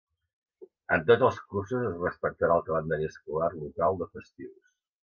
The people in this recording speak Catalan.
En tots els cursos es respectarà el calendari escolar local de festius.